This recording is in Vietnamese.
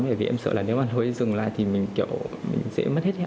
bởi vì em sợ là nếu mà nối dừng lại thì mình kiểu dễ mất hết